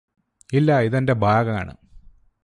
ഇല്ലാ ഇതെന്റെ ബാഗാണ്